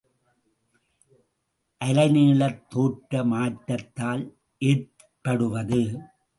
அலைநீளத்தோற்ற மாற்றத்தால் ஏற்படுவது.